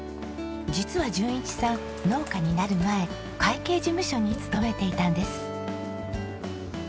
実は淳一さん農家になる前会計事務所に勤めていたんです。